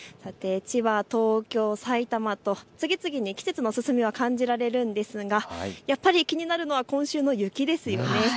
千葉、東京、埼玉と次々に季節の進みが感じられますがやっぱり気になるのは今週の雪ですよね。